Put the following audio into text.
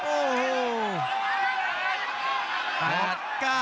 โอ้โห